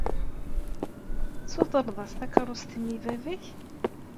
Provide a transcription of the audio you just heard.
Tsutreḍ-as takeṛṛust-nni i baba-k?